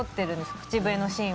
口笛のシーン。